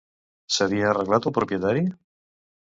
S'havia arreglat el propietari?